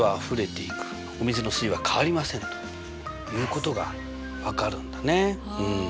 お水の水位は変わりませんということが分かるんだね。